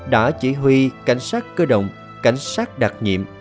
đã chỉ huy cảnh sát cơ động cảnh sát đặc nhiệm